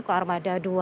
ke armada dua